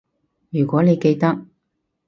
如果你記得